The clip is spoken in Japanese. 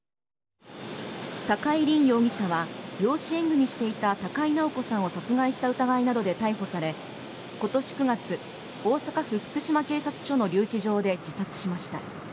高井凜容疑者は養子縁組していた高井直子さんを殺害した疑いなどで逮捕され今年９月大阪府・福島警察署の留置場で自殺しました。